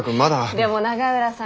でも永浦さん